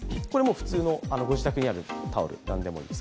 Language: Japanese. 普通のご自宅にあるタオル、何でもいいです。